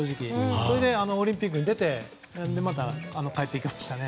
それでオリンピックに出てまた帰っていきましたね。